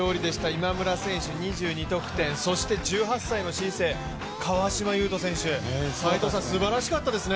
今村選手、２２得点、１８歳の新星、川島悠翔選手、斎藤さん、すばらしかったですね。